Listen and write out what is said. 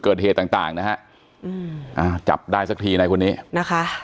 เกิดเหตุต่างนะครับจับได้สักทีในวันนี้นะคะ